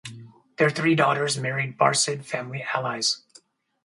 Their three daughters married Barcid family allies.